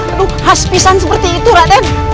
aduh khas pisan seperti itu raden